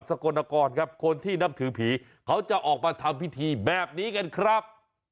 กลนครครับคนที่นับถือผีเขาจะออกมาทำพิธีแบบนี้กันครับ